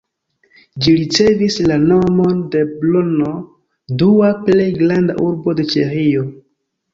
Ĝi ricevis la nomon de Brno, dua plej granda urbo de Ĉeĥio.